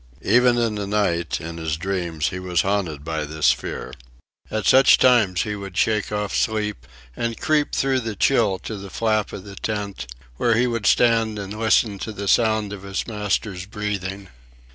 Even in the night, in his dreams, he was haunted by this fear. At such times he would shake off sleep and creep through the chill to the flap of the tent, where he would stand and listen to the sound of his master's breathing.